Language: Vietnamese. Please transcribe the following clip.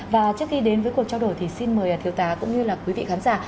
và trước khi đến với cuộc trao đổi thì xin mời thiếu tháng cũng như quý vị khán giả